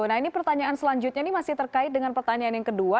nah ini pertanyaan selanjutnya ini masih terkait dengan pertanyaan yang kedua